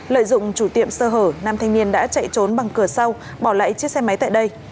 lợi dụng chủ tiệm sơ hở nam thanh niên đã chạy trốn bằng cửa sau bỏ lại chiếc xe máy tại đây